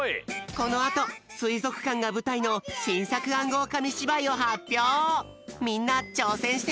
このあとすいぞくかんがぶたいのしんさくあんごうかみしばいをはっぴょう！